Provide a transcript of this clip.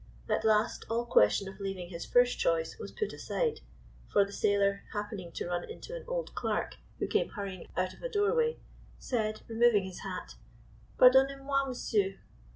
At last all question of leaving his first choice was put aside; for the sailor, happening to run into an old clerk who came hurrying out of a doorway said, removing his hat :'' Parclonnez mo i, m'sieu !